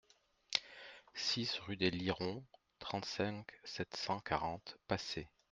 six rue des Lirons, trente-cinq, sept cent quarante, Pacé